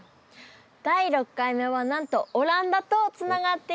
第６回目はなんとオランダとつながっています。